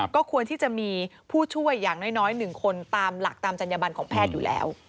ก็ควรที่จะมีผู้ช่วยอย่างน้อย๑คนตามหลักตามจัญญบันของแพทย์อยู่แล้ว